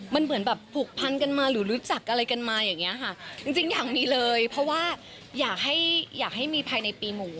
มันเหมือนแบบผูกพันกันมาหรือรู้จักอะไรกันมาอย่างเงี้ยค่ะจริงจริงอยากมีเลยเพราะว่าอยากให้อยากให้มีภายในปีหมู